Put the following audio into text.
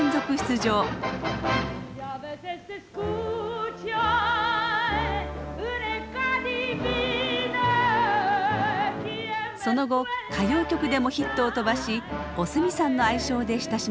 その後歌謡曲でもヒットを飛ばしおスミさんの愛称で親しまれました。